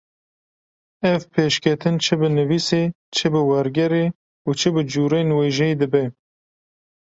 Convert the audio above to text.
ev pêşketin çi bi nivîsê, çi bi wergerê û çi bi cûreyên wêjeyê dibe.